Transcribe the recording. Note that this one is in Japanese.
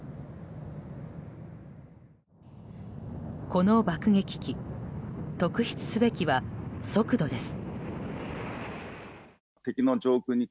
この爆撃機特筆すべきは速度です。